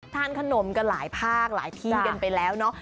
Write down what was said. ทานขนมกันหลายภาคหลายที่กันไปแล้วเนาะ